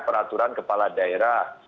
peraturan kepala daerah